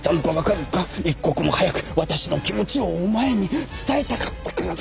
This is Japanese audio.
一刻も早く私の気持ちをお前に伝えたかったからだ。